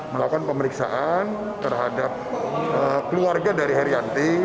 melakukan pemeriksaan terhadap keluarga dari herianti